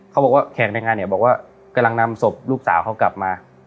เขาบอกว่าแขกในงานเนี่ยบอกว่ากำลังนำศพลูกสาวเขากลับมา